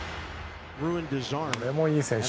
これもいい選手。